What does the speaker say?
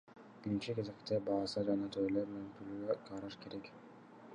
Биринчи кезекте баасына жана тейлөө мүмкүнчүлүгүнө караш керек.